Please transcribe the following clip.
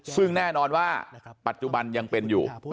ซึ่งแน่นอนว่าปัจจุบันยังเป็นอยู่